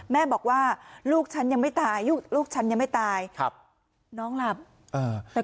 แม่บอกว่าลูกฉันยังไม่ตายลูกฉันยังไม่ตายครับน้องหลับเออแต่